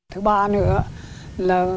thứ ba nữa là